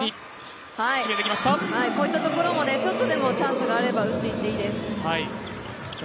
こういったところも、ちょっとでもチャンスがあれば、打っていっていいです。